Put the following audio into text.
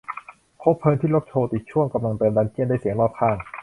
คบเพลิงที่ลุกโชติช่วงกำลังเติมดันเจี้ยนด้วยเสียงรอบข้าง